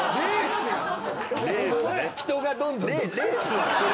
人がどんどん特定。